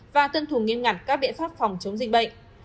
và tuân thủ nghiêm ngặt các biện pháp phòng chống dịch bệnh